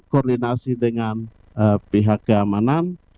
koordinasi dengan pihak keamanan